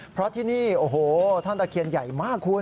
เพราะที่นี่โอ้โหท่อนตะเคียนใหญ่มากคุณ